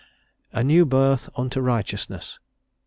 "A new birth unto righteousness?"